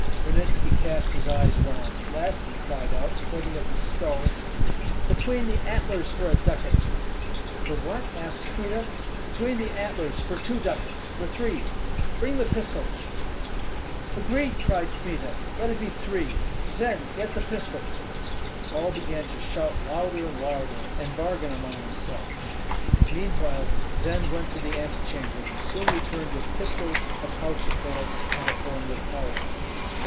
Ranitski cast his eyes around; at last he cried out, pointing at the skulls, "Between the antlers, for a ducat!" "For what?" asked Kmita. "Between the antlers, for two ducats, for three! Bring the pistols!" "Agreed!" cried Kmita. "Let it be three. Zend, get the pistols!" All began to shout louder and louder, and bargain among themselves; meanwhile Zend went to the antechamber, and soon returned with pistols, a pouch of bullets, and a horn with powder.